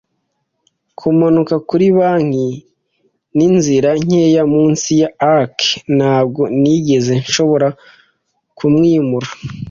kumanuka kuri banki n'inzira nkeya munsi ya arch. Ntabwo nigeze nshobora kumwimura,